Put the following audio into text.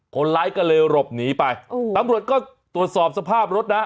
คนร้ายก็เลยหลบหนีไปตำรวจก็ตรวจสอบสภาพรถนะ